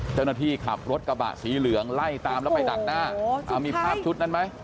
เจ้าหน้าที่ขับรถกระบะสีเหลืองไล่ตามแล้วไปดักหน้ามีภาพชุดนั้นไหม